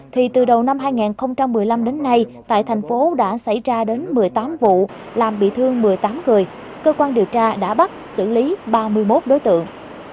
thì từ đầu năm hai nghìn một mươi năm đến nay tại thành phố đã xảy ra đến một mươi tám vụ làm bị thương một mươi tám người cơ quan điều tra đã bắt xử lý ba mươi một đối tượng